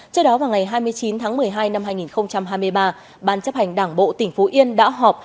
trước đó vào ngày hai mươi chín tháng một mươi hai năm hai nghìn hai mươi ba ban chấp hành đảng bộ tỉnh phú yên đã họp